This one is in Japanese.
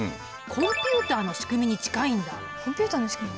コンピュータの仕組みに近い？